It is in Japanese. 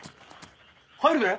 入るで。